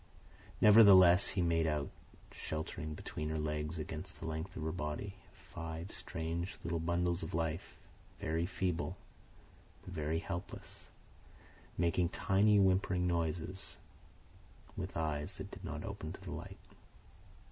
Nevertheless, he made out, sheltering between her legs against the length of her body, five strange little bundles of life, very feeble, very helpless, making tiny whimpering noises, with eyes that did not open to the light.